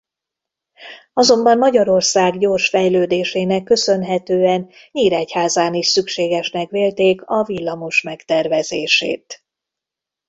Azonban Magyarország gyors fejlődésének köszönhetően Nyíregyházán is szükségesnek vélték a villamos megtervezését.